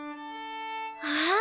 ああ！